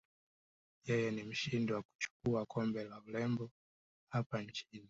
Yeye ni mshindi wa kuchukua kombe la urembo hapa nchini